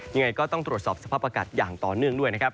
ยังไงก็ต้องตรวจสอบสภาพอากาศอย่างต่อเนื่องด้วยนะครับ